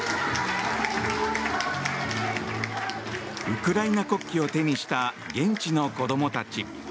ウクライナ国旗を手にした現地の子供たち。